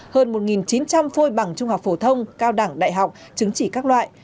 hơn một chín trăm linh phôi bằng trung học phổ thông cao đẳng đại học chứng chỉ các loại